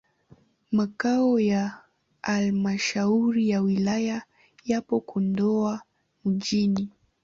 Makao ya halmashauri ya wilaya yapo Kondoa mjini.